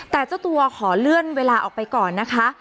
แต่เจ้าตัวขอเลื่อนเวลาออกไปก่อนนะคะ